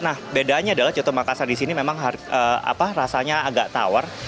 nah bedanya adalah choto makassar di sini memang rasanya agak tawar